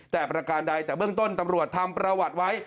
แต่ประการใดแต่เบื้องต้นตำรวจทำประวัติไว้